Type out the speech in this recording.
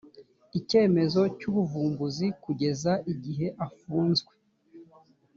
icyemezo cy ubuvumbuzi kugeza igihe afunzwe